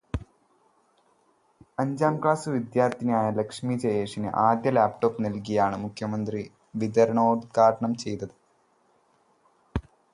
അഞ്ചാം ക്ലാസ് വിദ്യാര്ത്ഥിനിയായ ലക്ഷ്മി ജയേഷിന് ആദ്യ ലാപ്ടോപ്പ് നല്കിയാണ് മുഖ്യമന്ത്രി വിതരണോദ്ഘാടനം നടത്തിയത്.